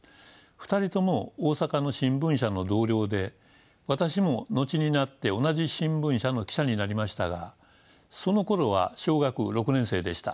２人とも大阪の新聞社の同僚で私も後になって同じ新聞社の記者になりましたがそのころは小学６年生でした。